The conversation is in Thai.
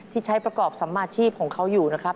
ที่ใช้ประกอบสัมมาชีพของเขาอยู่นะครับ